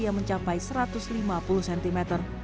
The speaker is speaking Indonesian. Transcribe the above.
yang mencapai satu ratus lima puluh cm